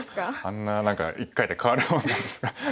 あんな何か一回で変わるもんなんですね。